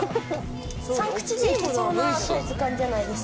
３口でいけそうなサイズ感じゃないですか？